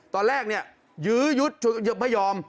ตอนแรกยื้อยุดไม่ยอม